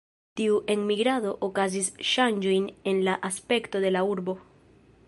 Tiu enmigrado okazigis ŝanĝojn en la aspekto de la urbo.